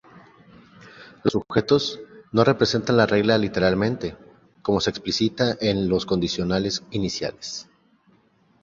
Los sujetos, no representan la regla literalmente, como se explicita en los condicionales iniciales.